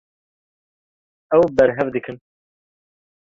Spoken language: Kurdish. Ew berhev dikin.